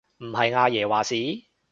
唔係阿爺話事？